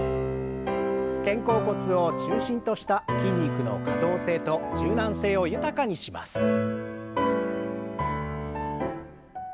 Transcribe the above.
肩甲骨を中心とした筋肉の可動性と柔軟性を豊かにします。